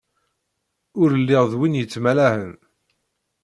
Ur lliɣ d win yettmalahen.